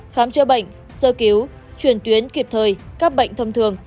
khám chữa bệnh sơ cứu chuyển tuyến kịp thời các bệnh thông thường